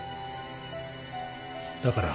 だから。